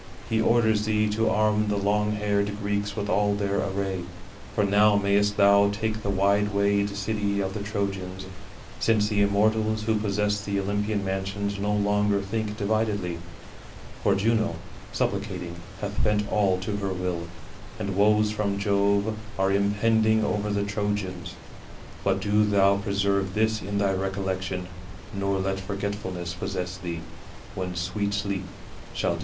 He orders thee to arm the long haired Greeks with all their array, for now mayest thou take the wide wayed city of the Trojans; for the immortals, who possess the Olympian mansions, no longer think dividedly, for Juno, supplicating, has bent all [to her will], and woes from Jove are impending over the Trojans; but do thou preserve this in thy thoughts.' Thus having spoken, flying away, it departed; but sweet sleep resigned me.